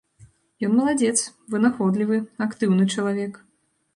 Ён маладзец, вынаходлівы, актыўны чалавек.